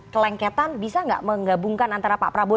kelengketan bisa nggak menggabungkan antara pak prabowo